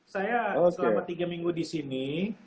saya selama tiga minggu disini